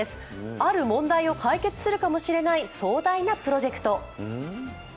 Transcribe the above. ある問題を解決するかもしれない、壮大なプロジェクト。